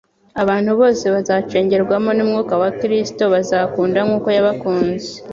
Abantu bose bazacengerwamo n'umwuka wa Kristo bazakunda nk'uko yabakunze.